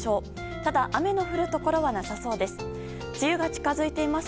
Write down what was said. ただ、雨の降るところはなさそうです。